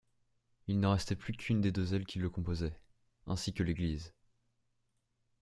Il n'en restait plus qu'une des deux ailes qui le composait, ainsi que l'église.